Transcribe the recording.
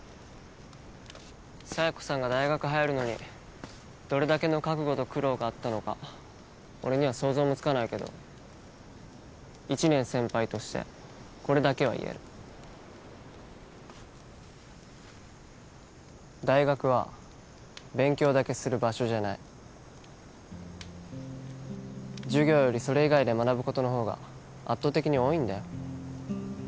佐弥子さんが大学入るのにどれだけの覚悟と苦労があったのか俺には想像もつかないけど１年先輩としてこれだけは言える大学は勉強だけする場所じゃない授業よりそれ以外で学ぶことの方が圧倒的に多いんだよ